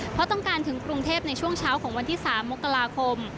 เพราะต้องการถึงกรุงเทพในช่วงเช้าของวันที่๓มกราคม